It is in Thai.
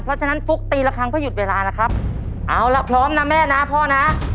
เพราะฉะนั้นฟุ๊กตีละครั้งเพื่อหยุดเวลาแล้วครับเอาละพร้อมนะแม่นะพ่อนะ